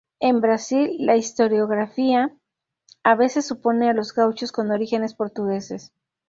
En Brasil, la historiografía a veces supone a los gauchos con orígenes portugueses.